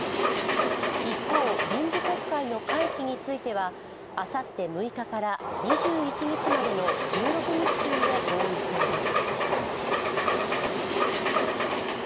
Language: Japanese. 一方、臨時国会の会期についてはあさって６日から２１日までの１６日間で合意しています。